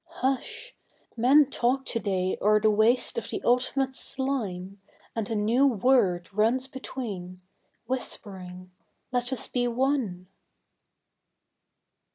Hush! Men talk to day o'er the waste of the ultimate slime, And a new Word runs between: whispering, "Let us be one!"